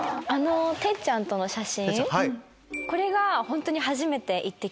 哲ちゃんとの写真。